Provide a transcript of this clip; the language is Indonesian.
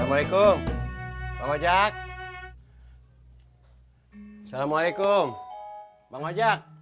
assalamualaikum bang wajah